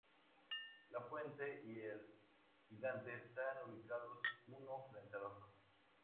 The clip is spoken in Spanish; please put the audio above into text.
La fuente y el gigante están ubicados uno frente al otro.